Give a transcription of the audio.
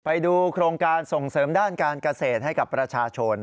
ไปดูโครงการส่งเสริมด้านการเกษตรให้กับประชาชน